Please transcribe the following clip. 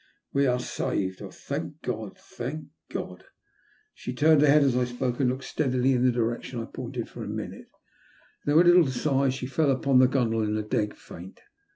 '' We're saved ! Oh, thank God, thank God!" Bhe tamed her head as I spoke, and looked steadily in the direction I pointed for nearly a minute. Then, with a little sigh, she fell upon the gunwale in a dead faint.